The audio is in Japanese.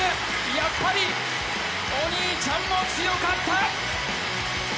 やっぱりお兄ちゃんも強かった。